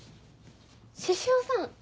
獅子王さん